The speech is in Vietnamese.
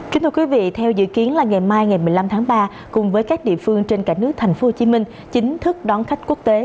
kính thưa quý vị theo dự kiến là ngày mai ngày một mươi năm tháng ba cùng với các địa phương trên cả nước tp hcm chính thức đón khách quốc tế